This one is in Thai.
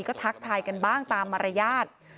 ก็ทักทายกันบ้างตามอนุญาต